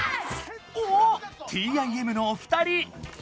おおっＴＩＭのお二人！